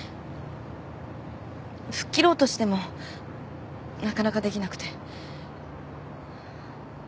吹っ切ろうとしてもなかなかできなくて。